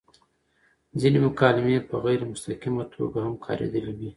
ځينې مکالمې په غېر مستقيمه توګه هم کاريدلي وې